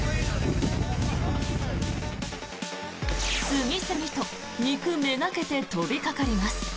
次々と肉めがけて飛びかかります。